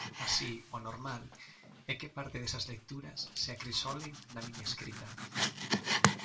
Así, o normal é que parte desas lecturas se acrisolen na miña escrita.